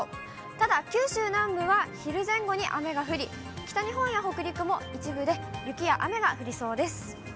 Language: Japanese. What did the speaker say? ただ九州南部は昼前後に雨が降り、北日本や北陸も一部で雪や雨が降りそうです。